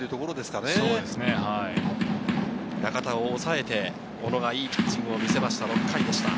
中田を抑えて小野がいいピッチングを見せました。